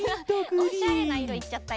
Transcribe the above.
おしゃれないろいっちゃったよ。